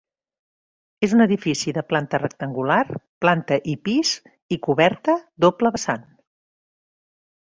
És un edifici de planta rectangular, planta i pis i coberta doble vessant.